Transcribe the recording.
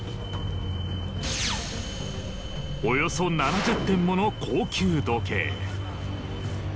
およそ７０点もの高級時計。